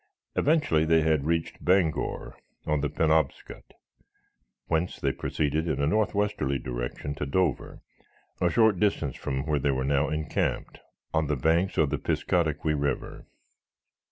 Eventually they had reached Bangor, on the Penobscot, whence they proceeded in a northwesterly direction to Dover, a short distance from where they were now encamped on the banks of the Piscataqui river.